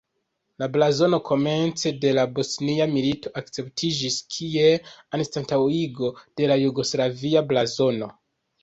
La blazono komence de la Bosnia Milito akceptiĝis kiel anstataŭigo de la jugoslavia blazono.